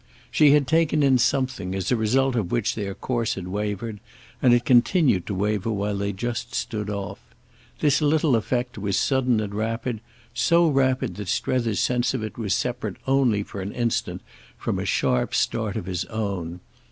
She had taken in something as a result of which their course had wavered, and it continued to waver while they just stood off. This little effect was sudden and rapid, so rapid that Strether's sense of it was separate only for an instant from a sharp start of his own.